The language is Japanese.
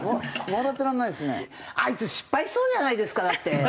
あいつ失敗しそうじゃないですかだって。